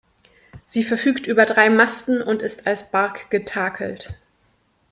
Sie verfügt über drei Masten und ist als Bark getakelt.